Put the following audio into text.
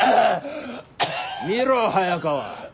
見ろ早川。